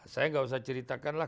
saya nggak usah ceritakan lah